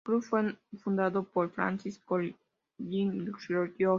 El club fue fundado por Francis Collin York.